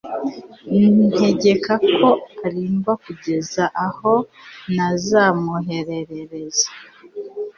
ntegeka ko arindwa kugeza aho nazamwoherereza